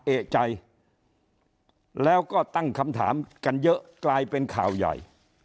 เอกใจแล้วก็ตั้งคำถามกันเยอะกลายเป็นข่าวใหญ่